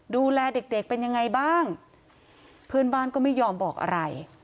ดูแลเด็กเด็กเป็นยังไงบ้างเพื่อนบ้านก็ไม่ยอมบอกอะไร